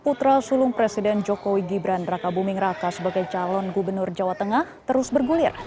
putra sulung presiden jokowi gibran raka buming raka sebagai calon gubernur jawa tengah terus bergulir